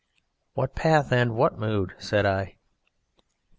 "What path and what mood?" said I.